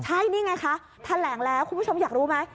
ใช่นี่ไงคะแถลงแล้วคุณผู้ชมอยากรู้ไหม